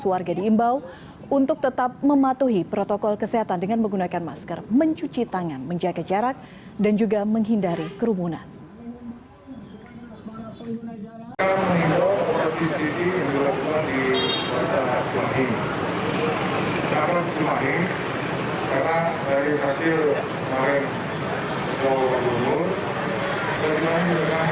warga diimbau untuk tetap mematuhi protokol kesehatan dengan menggunakan masker mencuci tangan menjaga jarak dan juga menghindari kerumunan